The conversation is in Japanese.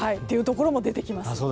というところも出てきます。